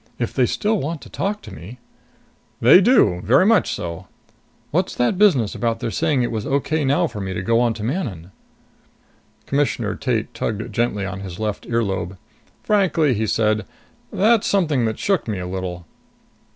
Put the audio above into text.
If they still want to talk to me " "They do. Very much so." "What's that business about their saying it was okay now for me to go on to Manon?" Commissioner Tate tugged gently at his left ear lobe. "Frankly," he said, "that's something that shook me a little."